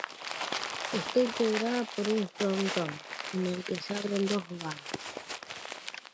Está integrada por un frontón, en el que se abren dos vanos.